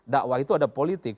da'wah itu ada politik